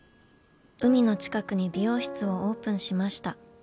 海の近くにびようしつをオープンしました。